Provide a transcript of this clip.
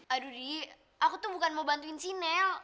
aduh di aku tuh bukan mau bantuin si nel